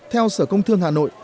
theo sở công thương hà nội